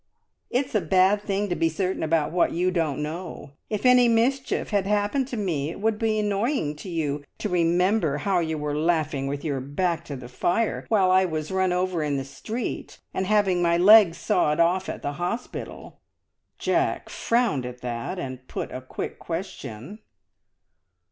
"It's a bad thing to be certain about what you don't know. If any mischief had happened to me, it would be annoying to you to remember how you were laughing with your back to the fire, while I was run over in the street, and having my legs sawed off at the hospital." Jack frowned at that, and put a quick question.